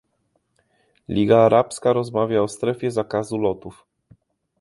Liga Arabska rozmawia o strefie zakazu lotów